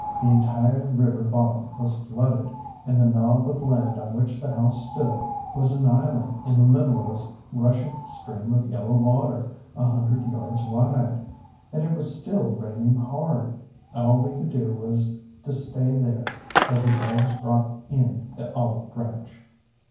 The entire river bottom was flooded, and the knob of land on which the house stood was an island in the middle of a rushing stream of yellow water a hundred yards wide. And it was still raining hard. All we could do was to stay there till the doves brought in the olive branch.